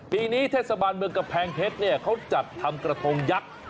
ปีนี้เทศบาลเมืองกำแพงเพชรเนี่ยเขาจัดทำกระทงยักษ์